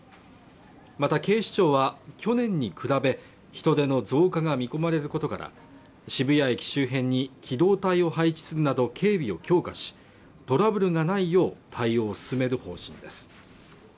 また警視庁は去年に比べ人出の増加が見込まれることから渋谷駅周辺に機動隊を配置するなど警備を強化しトラブルがないよう対応を進める方針です